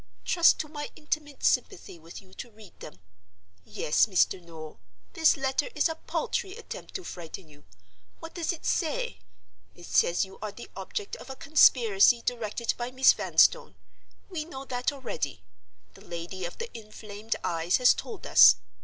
Trust to my intimate sympathy with you to read them. Yes, Mr. Noel, this letter is a paltry attempt to frighten you. What does it say? It says you are the object of a conspiracy directed by Miss Vanstone. We know that already—the lady of the inflamed eyes has told us.